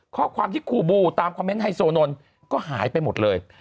ข้อความที่ครูบูตามคอมเมนต์ไฮโซนนท์ก็หายไปหมดเลย